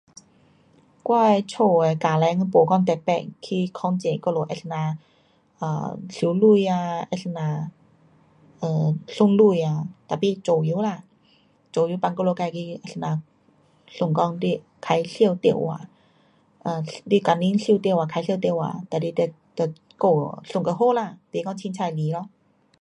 我的家的家庭没讲特别去控制我们啊怎样收钱啊，啊怎样 um 算钱啊，tapi 自由啦，自由放我们自去啊怎样算讲你开销多少，um 你工钱赚多少，开销多少，哒你得，得顾，算到好啦，甭讲随便来啦。